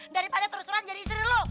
daripada terus terusan jadi istri lu